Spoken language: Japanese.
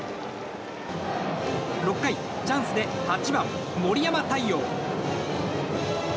６回、チャンスで８番、森山太陽。